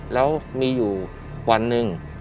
แล้วมีอยู่วันหนึ่ง